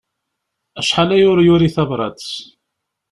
Acḥal aya ur yuri tabrat.